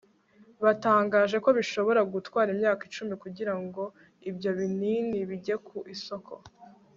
batangaje ko bishobora gutwara imyaka icumi kugira ngo ibyo binini bijye ku isoko